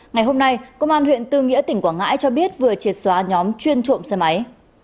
ngày hôm nay công an huyện tư nghĩa tỉnh quảng ngãi cho biết vừa triệt xóa nhóm chuyên trộm xe máy